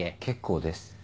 結構です。